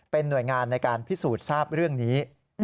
เป็นหน่วยงานในการพิสูจน์ทราบเรื่องนี้